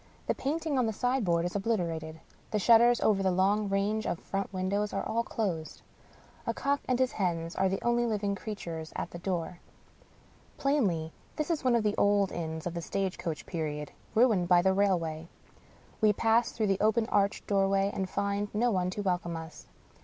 The painting on the sign board is obliterated. The shutters over the long range of front windows are all closed. A cock and his hens are the only living creatures at the door. Plainly, this is one of the old inns of the stage coach period, ruined by the rail way. We pass through the open arched doorway, and find no one to welcome us.